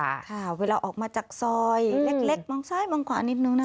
ค่ะเวลาออกมาจากซอยเล็กเล็กมองซ้ายมองขวานิดนึงนะคะ